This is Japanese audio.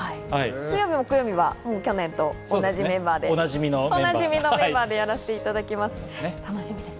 水曜日、木曜日は去年と同じメンバーでおなじみのメンバーでやらせていただきます。